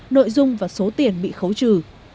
nội dung và số tiền bị khấu trừ